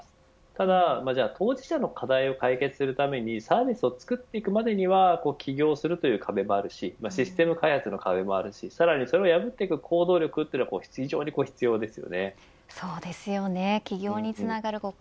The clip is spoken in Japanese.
ただ当事者の課題を解決するためにサービスを作っていくまでには起業するという壁があるしシステム開発の壁があるしそれを破っていく行動力も必要です。